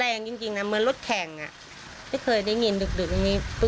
อาจจะสร้างเป็นบ่งก็เข้าเลี้ยงจุดที่สุด